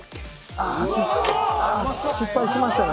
あ失敗しましたね。